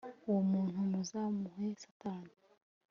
uwo muntu muzamuhe Satani